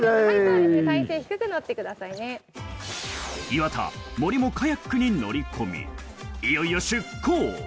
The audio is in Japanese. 岩田、森もカヤックに乗り込み、いよいよ出港。